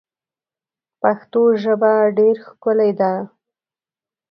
پښتو ژبه ډیر ښکلی ده.